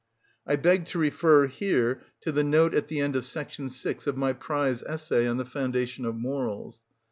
(I beg to refer here to the note at the end of § 6 of my prize essay on the foundation of morals.)